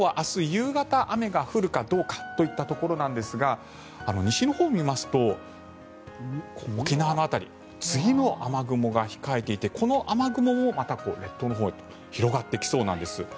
夕方雨が降るかどうかといったところなんですが西のほうを見ますと沖縄の辺り次の雨雲が控えていてこの雨雲もまた列島のほうへと広がってきそうなんです。